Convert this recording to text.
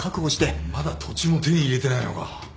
まだ土地も手に入れてないのか。